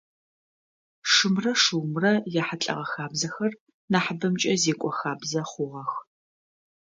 Шымрэ шыумрэ яхьылӏэгъэ хабзэхэр нахьыбэмкӏэ зекӏо хабзэ хъугъэх.